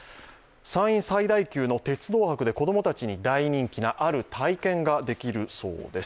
山陰最大級の鉄道博で子どもたちに大人気なある体験ができるそうです。